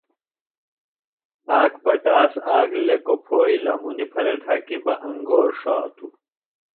آک پٹاس آک لیکوۡ پھوئی لمُنیۡ پھرےۡ ڈھکیۡ بہ انگور ݜاتوۡ۔